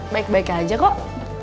baik baik aja kok